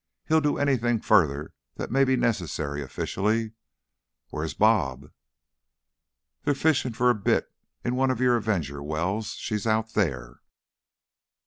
He'll do anything further that may be necessary, officially. Where's "Bob"?" "They're fishin' for a bit in one of your Avenger wells. She's out there."